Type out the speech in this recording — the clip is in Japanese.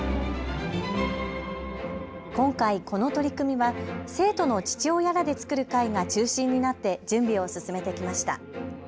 今回この取り組みは生徒の父親らで作る会が中心になって準備を進めてきました。